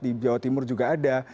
di jawa timur juga ada